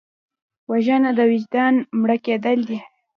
وژنه د وجدان مړه کېدل دي